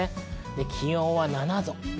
気温は７度。